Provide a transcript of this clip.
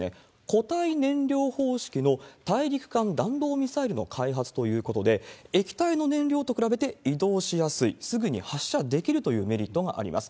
固体燃料方式の大陸間弾道ミサイルの開発ということで、液体の燃料と比べて移動しやすい、すぐに発射できるというメリットがあります。